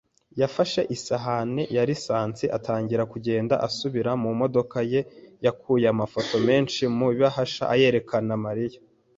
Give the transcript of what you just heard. yafashe isahani ya lisansi atangira kugenda asubira mu modoka ye. yakuye amafoto menshi mu ibahasha ayereka Mariya.